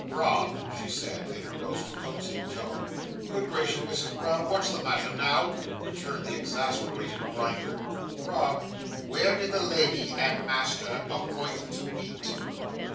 "Rob," she said, in her most coaxing tone. "Good gracious, Misses Brown, what's the matter now?" returned the exasperated Grinder. "Rob! where did the lady and Master appoint to meet?"